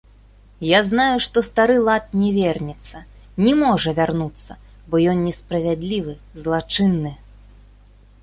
Я знаю, што стары лад не вернецца, не можа вярнуцца, бо ён несправядлівы, злачынны.